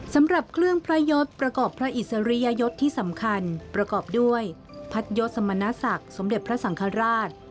สำหรับเครื่องพระยศประกอบพระอิสริยยศที่สำคัญประกอบด้วยพัทยศสมณศักดิ์สมเด็จพระสังฆราช